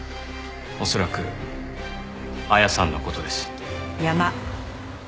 恐らく彩さんの事です。